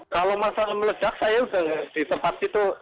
kalau masalah melejak saya udah di tempat itu